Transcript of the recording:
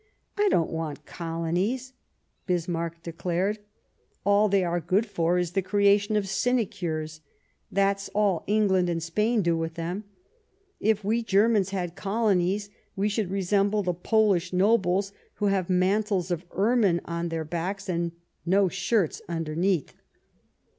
" I don't want colonies," Bismarck declared; "all they are good for is the creation of sinecures. That's all England and Spain do with them. If we Ger mans had colonies, we should resemble the Polish nobles, who have mantles of ermine on their backs and no shirts underneath."